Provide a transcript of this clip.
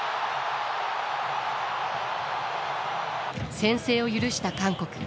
先制を許した韓国。